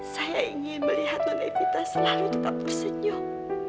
saya ingin melihat mbak evita selalu tetap bersenyum